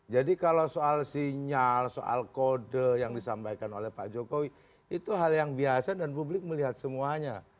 jadi kalau soal sinyal soal kode yang disampaikan oleh pak jokowi itu hal yang biasa dan publik melihat semuanya